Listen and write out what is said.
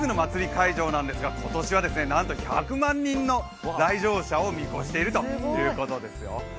会場なんですが今年はなんと１００万人の来場者を見越しているということですよ。